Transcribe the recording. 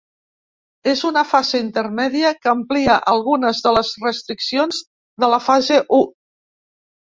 És una fase intermèdia que amplia algunes de les restriccions de la fase u.